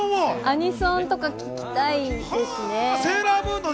アニソン聞きたいですね。